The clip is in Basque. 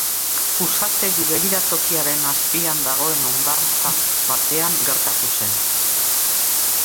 Usategi begiratokiaren azpian dagoen hondartza batean gertatu zen.